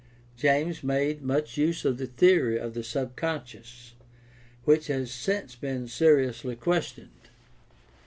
James made much use of the theory of the subconscious, which has since been seriously questioned.